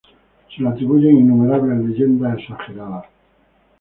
Se le atribuyen innumerables leyendas exageradas.